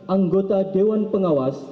anggota dewan pengawas